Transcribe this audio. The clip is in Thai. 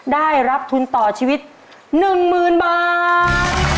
ได้รับทุนต่อชีวิต๑๐๐๐บาท